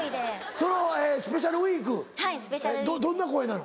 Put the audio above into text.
そのスペシャルウィークどんな声なの？